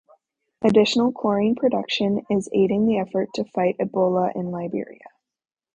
Additional chlorine production is aiding the effort to fight Ebola in Liberia.